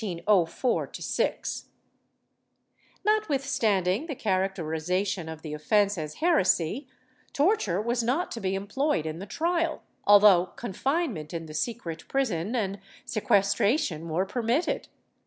^ Notwithstanding tlie characterization of the offence as heresy, torture was not to be employed in the trial, although confinement in the secret prison and sequestration were permitted.